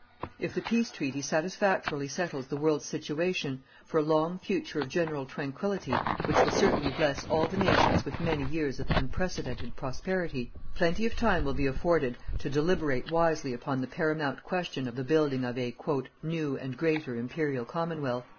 If the peace treaty satisfactorily settles the world's situation for a long future of general tranquillity which will certainly bless all the nations with many years of unprecedented prosperity, plenty of time will be afforded to deliberate wisely upon the paramount question of the building of a "new and greater Imperial Commonwealth."